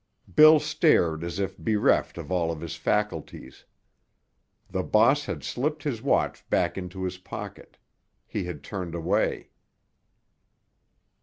Bill stared as if bereft of all of his faculties. The boss had slipped his watch back into his pocket. He had turned away.